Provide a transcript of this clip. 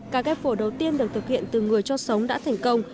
ca ghép phổi đầu tiên được thực hiện từ người cho sống đã thành công